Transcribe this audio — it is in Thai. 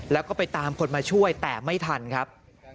แล้วก็ไปตามคนมาช่วยแต่ไม่ทันครับ